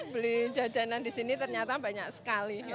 beli jajanan di sini ternyata banyak sekali